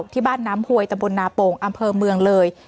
ที่บ้านน้ำหวยตะบลนาโป่งอำเภอเมืองเลย